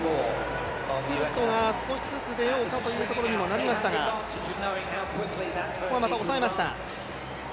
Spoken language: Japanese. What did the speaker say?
キプルトが少しずつ出ようかというところに今、なりましたが今、抑えました。